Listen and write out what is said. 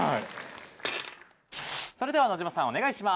それでは野島さんお願いします。